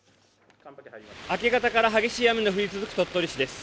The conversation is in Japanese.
明け方から激しい雨の降り続く鳥取市です